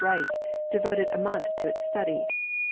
Wright devoted a month to its study.